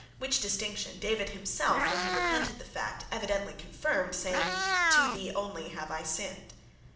Which distinction, David himself, when he repented the fact, evidently confirmed, saying, "To thee only have I sinned."